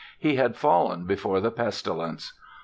He had fallen before the pestilence.